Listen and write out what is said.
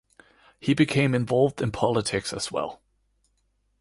He became involved in politics as well.